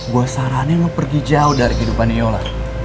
gue sarannya emang pergi jauh dari kehidupan yola